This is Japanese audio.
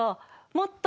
もっと！